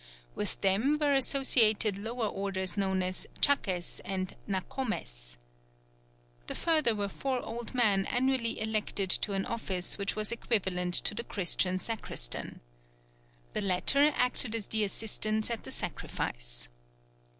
With them were associated lower orders known as Chaques and Nacomes. The former were four old men annually elected to an office which was equivalent to the Christian sacristan. The latter acted as the assistants at the sacrifice.